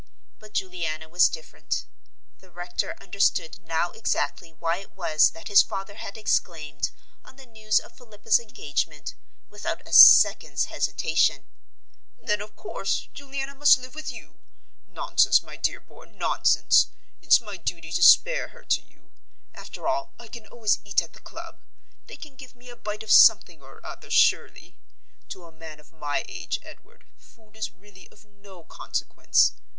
But Juliana was different. The rector understood now exactly why it was that his father had exclaimed, on the news of Philippa's engagement, without a second's hesitation, "Then, of course, Juliana must live with you! Nonsense, my dear boy, nonsense! It's my duty to spare her to you. After all, I can always eat at the club; they can give me a bite of something or other, surely. To a man of my age, Edward, food is really of no consequence.